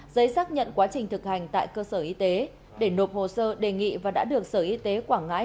giấy xác nhận quá trình thực hành tại cơ sở y tế để nộp hồ sơ đề nghị và đã được sở y tế quảng ngãi